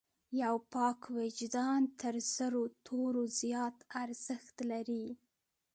یو پاک وجدان تر زرو تورو زیات ارزښت لري.